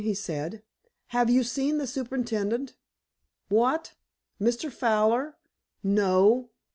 he said. "Have you seen the superintendent?" "What? Mr. Fowler? No.